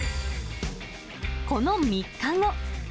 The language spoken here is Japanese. この３日後。